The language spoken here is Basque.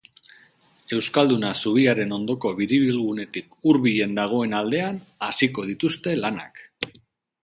Euskalduna zubiaren ondoko biribilgunetik hurbilen dagoen aldean hasiko dituzte lanak.